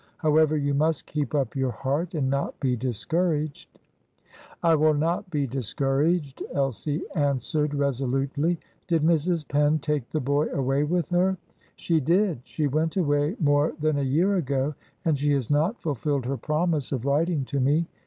However, you must keep up your heart, and not be discouraged." "I will not be discouraged," Elsie answered resolutely. "Did Mrs. Penn take the boy away with her?" "She did. She went away more than a year ago, and she has not fulfilled her promise of writing to me.